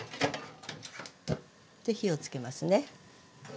で火を付けますね。